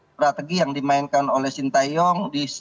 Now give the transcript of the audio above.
strategi yang dimainkan oleh sintayong